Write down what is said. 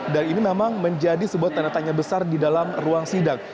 dan ini memang menjadi sebuah tanda tanya besar di dalam ruang sidang